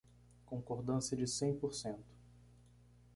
Concordância de cem por cento.